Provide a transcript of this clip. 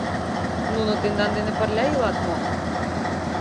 — Нуно тендан дене пырля илат мо?